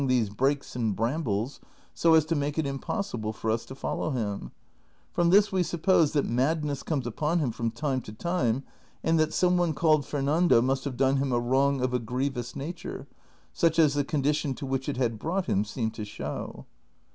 179 these brakes and brambles, so as to make it impossible for us to follow him ; from this we suppose that madness comes upon him from time to time, and that some one called Fernando must have done him a wrong of a grievous nature such as the condition to which it had brought him seemed to show.